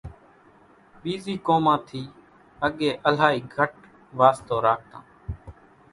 ٻيزِي قومان ٿِي اڳيَ الائِي گھٽ واستو راکتان۔